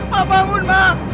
ma bangun ma